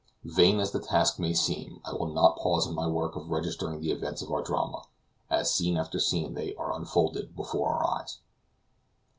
Vain as the task may seem, I will not pause in my work of registering the events of our drama, as scene after scene they are unfolded before our eyes.